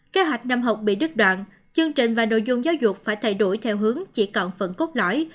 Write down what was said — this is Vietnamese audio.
kế hoạch năm học bị đứt đoạn chương trình và nội dung giáo dục phải thay đổi theo hướng chỉ còn phần cốt lõi